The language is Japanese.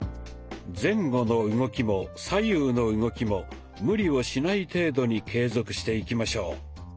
前後の動きも左右の動きも無理をしない程度に継続していきましょう。